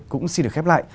cũng xin được khép lại